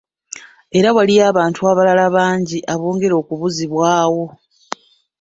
Era waliwo n'abantu abalala bangi abongera okubuzibwawo.